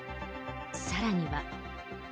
さらには。